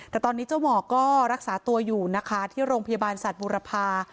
แต่ตอนนี้เจ้าหมอก็รักษาตัวอยู่นะคะที่โรงพยาบาลสัตว์บุรพา